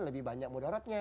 lebih banyak mudaratnya